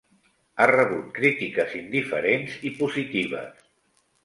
Ha rebut crítiques indiferents i positives.